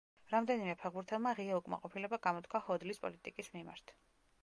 რამდენიმე ფეხბურთელმა ღია უკმაყოფილება გამოთქვა ჰოდლის პოლიტიკის მიმართ.